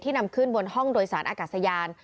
นำขึ้นบนห้องโดยสารอากาศยาน